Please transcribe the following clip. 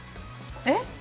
えっ？